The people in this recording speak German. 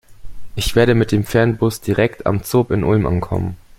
Ich werde mit dem Fernbus direkt am ZOB in Ulm ankommen.